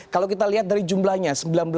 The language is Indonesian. kalau kita lihat dari jumlahnya